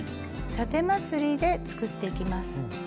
たてまつりで作っていきます。